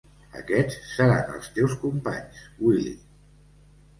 Aquests seran els teus companys, Willy.